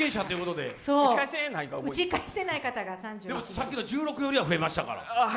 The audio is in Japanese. さっきの１６よりは増えましたから。